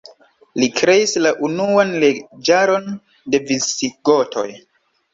Li kreis la unuan leĝaron de Visigotoj.